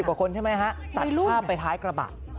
๑๐กว่าคนใช่ไหมฮะไปท้ายกระบะ